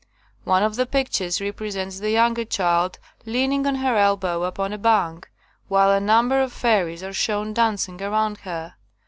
''One of the pictures represents the younger child leaning on her elbow upon a bank, while a number of fairies are shown dancing around her.